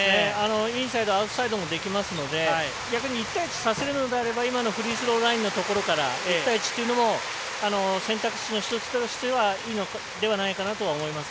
インサイドアウトサイドもできますので逆に１対１にさせるのであればフリースローラインのところから１対１というのも選択肢の１つとしてはいいのではないのかなと思います。